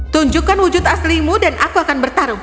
tunjukkan wujud aslimu dan aku akan bertarung